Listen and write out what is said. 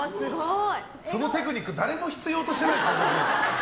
そのテクニック誰も必要としてないから。